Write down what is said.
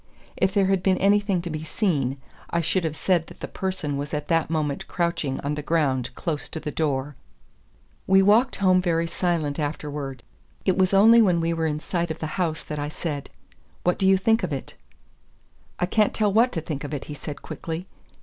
If there had been anything to be seen, I should have said that the person was at that moment crouching on the ground close to the door. We walked home very silent afterwards. It was only when we were in sight of the house that I said, "What do you think of it?" "I can't tell what to think of it," he said quickly.